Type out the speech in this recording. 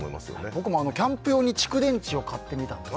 僕もキャンプ用に蓄電池を買ってみたんです。